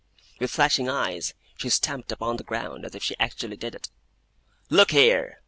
With flashing eyes, she stamped upon the ground as if she actually did it. 'Look here!